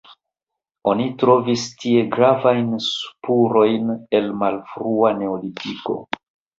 Oni trovis tie gravajn spurojn el malfrua neolitiko.